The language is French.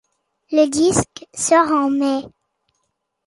Le disque sort en mai.